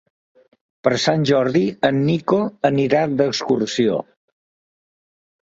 Per Sant Jordi en Nico anirà d'excursió.